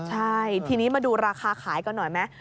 ใช่ทีนี้มาดูราคาขายกันหน่อยไหม